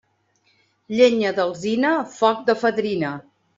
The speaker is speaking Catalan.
Llenya d'alzina, foc de fadrina.